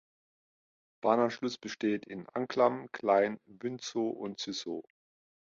Bahnanschluss besteht in Anklam, Klein Bünzow und Züssow.